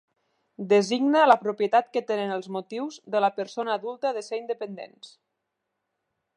Designa la propietat que tenen els motius de la persona adulta de ser independents.